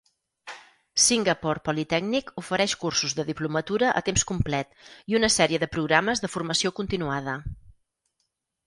Singapore Polytechnic ofereix cursos de diplomatura a temps complet i una sèrie de programes de formació continuada.